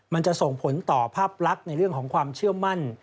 มันจะส่งผลต่อภาพลักษณ์ในเรื่องของความเชื่อมั่น